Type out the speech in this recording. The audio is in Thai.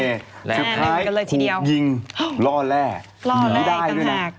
และสุดท้ายถูกยิงล่อแร่หนีได้ด้วยนะ